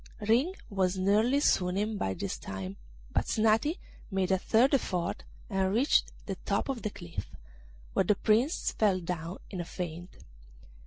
Ring was nearly swooning by this time, but Snati made a third effort and reached the top of the cliff, where the Prince fell down in a faint.